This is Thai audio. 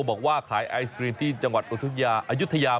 บอกว่าขายไอศกรีมที่จังหวัดอุทยาอายุทยา